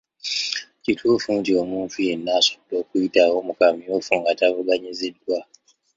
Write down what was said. Kituufu nti omuntu yenna asobola okuyitawo mu kamyufu nga tavuganyiziddwa